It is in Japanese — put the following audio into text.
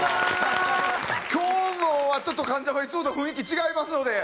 今日のはちょっと『関ジャム』はいつもと雰囲気違いますので。